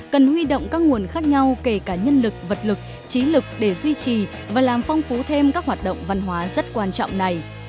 cần huy động các nguồn khác nhau kể cả nhân lực vật lực trí lực để duy trì và làm phong phú thêm các hoạt động văn hóa rất quan trọng này